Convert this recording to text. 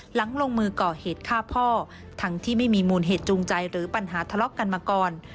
หลังลงมือก่อเหตุฆ่าพ่อทั้งที่ไม่มีมูลเหตุจูงใจหรือปัญหาทะเลาะกันมาก่อน